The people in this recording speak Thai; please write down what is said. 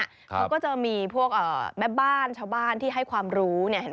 เขาก็จะมีพวกแม่บ้านชาวบ้านที่ให้ความรู้